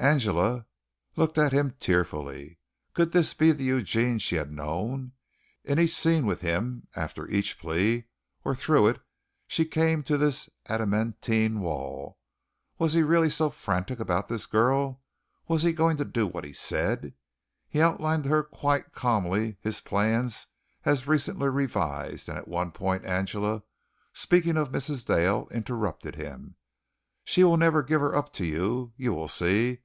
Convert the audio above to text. Angela looked at him tearfully. Could this be the Eugene she had known? In each scene with him, after each plea, or through it, she came to this adamantine wall. Was he really so frantic about this girl? Was he going to do what he said? He outlined to her quite calmly his plans as recently revised, and at one point Angela, speaking of Mrs. Dale, interrupted him "she will never give her up to you you will see.